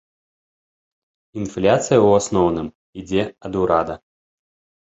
Інфляцыя ў асноўным ідзе ад урада.